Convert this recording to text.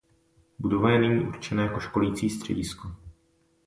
Budova je nyní určena jako školící středisko.